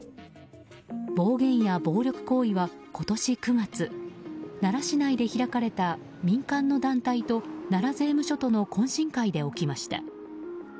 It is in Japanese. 暴言や暴力行為は今年９月奈良市内で開かれた民間の団体と、奈良税務署との懇親会で起きました。